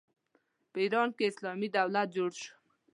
په ایران کې اسلامي دولت جوړ شو.